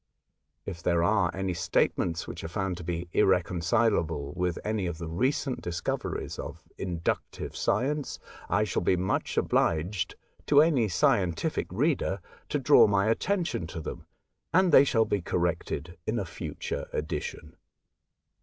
If there are any statements which are found to be irrecon cilable with any of the recent discoveries of inductive science, I shall be much obliged to any scientific reader to draw my attention to them, and they shall be corrected in a future edition.